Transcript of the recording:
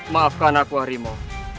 maafkan aku harimau